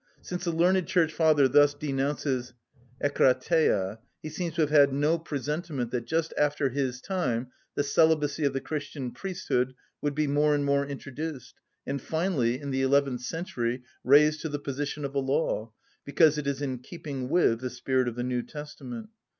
Since the learned Church Father thus denounces εγκρατεια, he seems to have had no presentiment that just after his time the celibacy of the Christian priesthood would be more and more introduced, and finally, in the eleventh century, raised to the position of a law, because it is in keeping with the spirit of the New Testament.